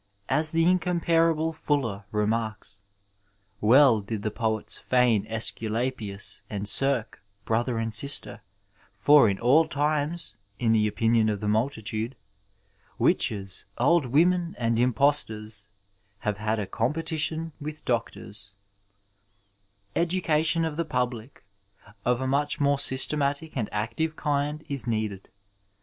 As the incomparable Fuller remarks :'* Well did the poets feign Aesculapius and Circe brother and sister, ... for in all times (in the opinion of the multitude) witches, old women, and impos 466 Digitized by VjOOQIC UNITY, PEACE, AND CONCORD toishave had a competition with doctors." Education of the public of a much more systematic and active kind is needed.